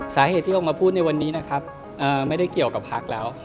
สาเหตุที่ออกมาพูดในวันนี้นะครับไม่ได้เกี่ยวกับพักแล้ว